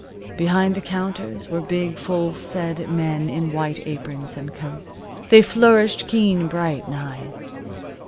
Behind the counters were big, full fed men in white aprons, and coats. They flourished keen bright knives.